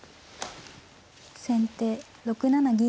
先手６七銀。